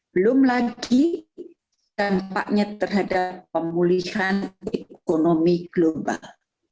belum lagi dampaknya terhadap pemulihan ekonomi global